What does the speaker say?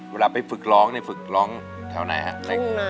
เวลาไปฝึกร้องเนี่ยฝึกร้องแถวไหนฮะ